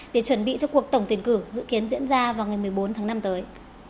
để chuẩn bị cho cuộc tổng tuyển cử dự kiến diễn ra vào ngày một mươi bốn tháng năm tới